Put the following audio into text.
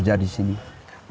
tidak ada yang kerja di sini